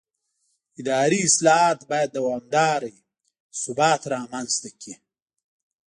اداري اصلاحات باید دوامداره وي چې ثبات رامنځته کړي